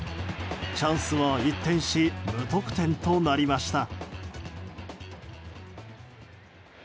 チャンスは一転し無得点になりました。